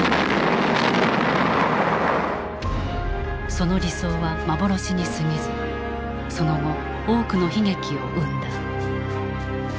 その理想は幻にすぎずその後多くの悲劇を生んだ。